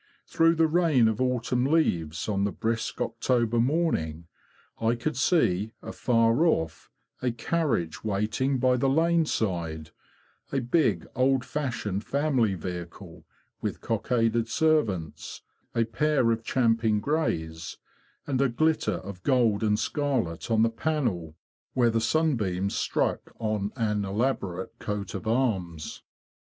Through the rain of autumn leaves, on the brisk October morning, I could see, afar off, a carriage waiting by the lane side; a big old fashioned family vehicle, with cockaded servants, a pair of champing greys, and a glitter of gold and scarlet on the panel, where the sunbeams struck on an elaborate coat of arms.